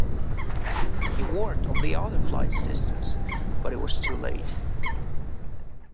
He warned of the other flight's distance, but it was too late.